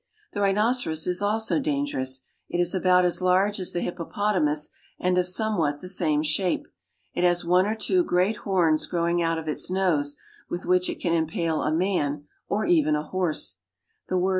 158 AFRICA The rhinoceros is also dangerous. It is about as large as the hippopotamus and of somewhat the same shape. It has one or two great horns growing out of its nose, with which it can impale a man or even a horse. 'J'he Rhinoceros.